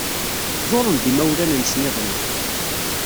Ẓuren-d imawlan-nsen iḍelli.